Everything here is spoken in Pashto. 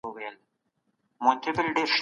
د مياشتنۍ وينې پر مهال ځان پاک وساته